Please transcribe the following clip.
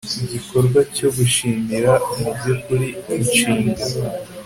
igikorwa cyo gushimira mubyukuri inshinga